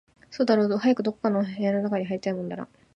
そうだろう、早くどこか室の中に入りたいもんだな